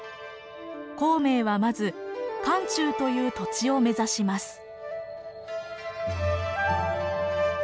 孔明はまず漢中という土地を目指します。